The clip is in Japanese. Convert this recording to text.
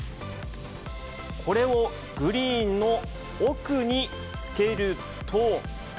これをグリーンの奥につけると。